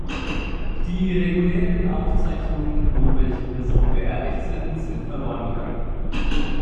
Die regulären Aufzeichnungen, wo welche Personen beerdigt sind, sind verloren gegangen.